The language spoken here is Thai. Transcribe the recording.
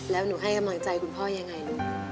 แล้วหนูให้กำลังใจคุณพ่อยังไงลูก